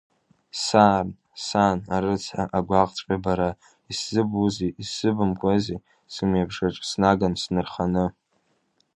Сан, сан, арыцҳа, агәаҟцәгьа бара, исзыбузеи, исымабкузеи сымҩабжаҿ снаган снырханы?